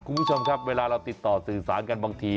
คุณผู้ชมครับเวลาเราติดต่อสื่อสารกันบางที